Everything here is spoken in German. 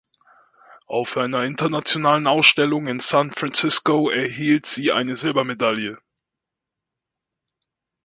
Auf einer internationalen Ausstellung in San Francisco erhielt sie eine Silbermedaille.